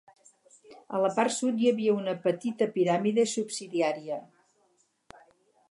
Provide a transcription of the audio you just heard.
A la part sud hi havia una petita piràmide subsidiària.